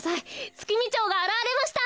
ツキミチョウがあらわれました。